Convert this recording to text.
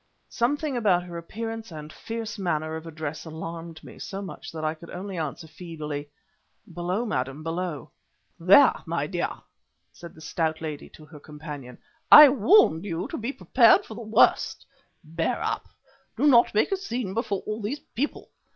Something about her appearance and fierce manner of address alarmed me so much that I could only answer feebly: "Below, madam, below." "There, my dear," said the stout lady to her companion, "I warned you to be prepared for the worst. Bear up; do not make a scene before all these people.